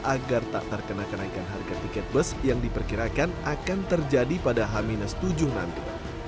agar tak terkena kenaikan harga tiket bus yang diperkirakan akan terjadi pada h tujuh nanti